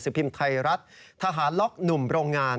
พิมพ์ไทยรัฐทหารล็อกหนุ่มโรงงาน